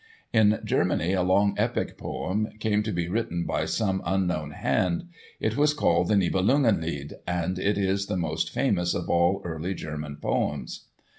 In Germany a long epic poem came to be written by some unknown hand. It was called the "Nibelungenlied," and it is the most famous of all early German poems.